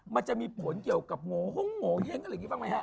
มันจะมีผลเกี่ยวกับโง่โง่เย็นอะไรแบบนี้บ้างไหมฮะ